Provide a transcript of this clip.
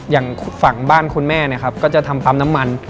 อย่างฝั่งบ้านคุณแม่เนี่ยครับก็จะทำปั๊มน้ำมัน